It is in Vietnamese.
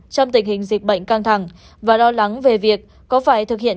trong tình hình dịch bệnh căng thẳng và lo lắng về việc có phải thực hiện